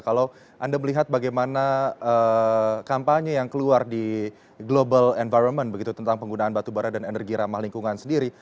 kalau anda melihat bagaimana kampanye yang keluar di global environment begitu tentang penggunaan batubara dan energi ramah lingkungan sendiri